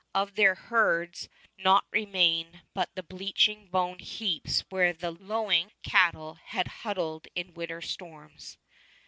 Of their herds naught remained but the bleaching bone heaps where the lowing cattle had huddled in winter storms.